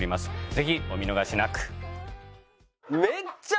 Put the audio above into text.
ぜひお見逃しなく。